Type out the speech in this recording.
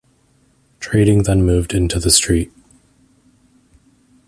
Trading then moved into the street.